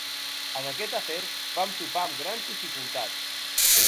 En aquest afer, vam topar amb grans dificultats.